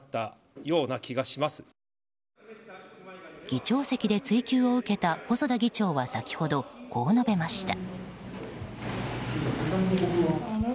議長席で追及を受けた細田議長は先ほどこう述べました。